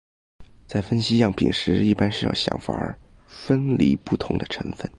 在分析样品时一般先要想法分离不同的成分。